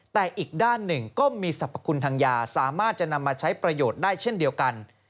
แต่อีกด้านหนึ่งก็มีสรรพคุณทางยาสามารถจะนำมาใช้ประโยชน์ได้เช่นเดียวกัน